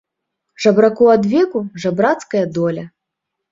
Жабраку адвеку жабрацкая доля.